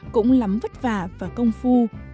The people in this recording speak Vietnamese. không lắm vất vả và công phu